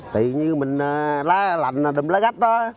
tự nhiên mình lá lạnh đùm lá gắt đó